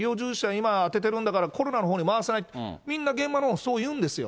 今、充ててるんだから、コロナのほうに回せない、みんな現場のほうそういうんですよ。